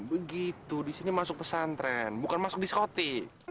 begitu di sini masuk pesantren bukan masuk diskotik